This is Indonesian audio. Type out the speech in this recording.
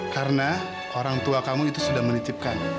karena orang tua kamu itu sudah menitipkan